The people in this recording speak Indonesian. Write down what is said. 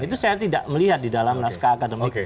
itu saya tidak melihat di dalam naskah akademik